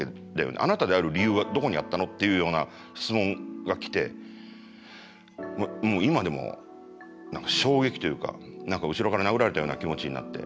あなたである理由はどこにあったの？っていうような質問が来てもう今でも何か衝撃というか何か後ろから殴られたような気持ちになって。